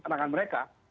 itu perangkat mereka